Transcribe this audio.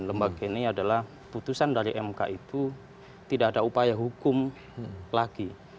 lembaga ini adalah putusan dari mk itu tidak ada upaya hukum lagi